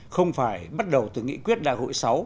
không phải bắt đầu từ nghị quyết đại hội sáu